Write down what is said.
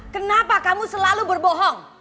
kenapa kamu selalu berbohong